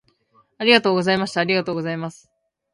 ありがとうございました。ありがとうございます。